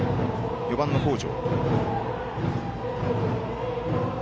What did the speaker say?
４番の北條。